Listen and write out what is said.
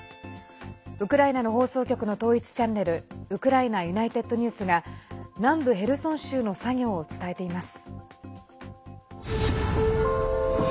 ウクライナの放送局の統一チャンネルウクライナＵｎｉｔｅｄＮｅｗｓが南部ヘルソン州の作業を伝えています。